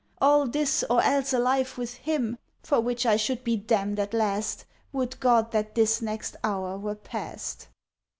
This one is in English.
All this, or else a life with him, For which I should be damned at last, Would God that this next hour were past!